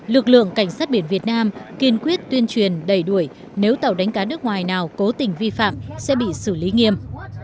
lực lượng cảnh sát biển việt nam kiên quyết tuyên truyền đẩy đuổi nếu tàu đánh cá nước ngoài nào cố tình vi phạm sẽ bị xử lý nghiêm